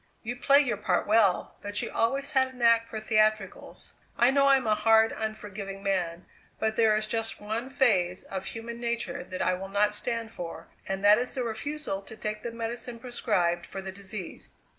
You play your part well; but you always had a knack for theatricals. I know I'm a hard, unforgiving man, but there is just one phase of human nature that I will not stand for, and that is the refusal to take the medicine prescribed for the disease.